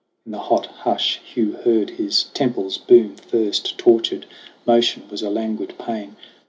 In the hot hush Hugh heard his temples boom. Thirst tortured. Motion was a languid pain.